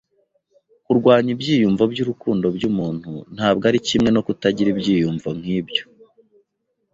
Kurwanya ibyiyumvo byurukundo byumuntu ntabwo ari kimwe no kutagira ibyiyumvo nk'ibyo.